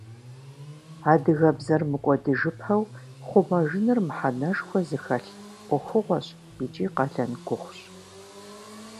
Адыгэбзэр мыкӀуэдыжыпэу хъумэжыныр мыхьэнэшхуэ зыхэлъ Ӏуэхугъуэщ икӀи къалэн гугъущ.